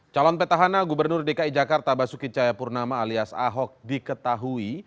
calon petahana gubernur dki jakarta basuki cayapurnama alias ahok diketahui